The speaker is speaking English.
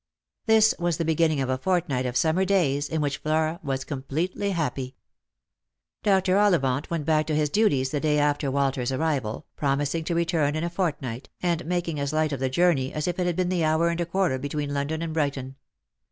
This was the beginning of a fortnight of summer days, in which Flora was completely happy. Dr. Ollivant went back to his duties the day after Walter's arrival, promising to return in a fortnight, and making as light of the journey as if it had been the hour and a quarter between London and Brighton.